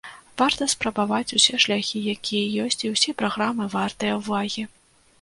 Варта спрабаваць усе шляхі, якія ёсць, і ўсе праграмы вартыя ўвагі.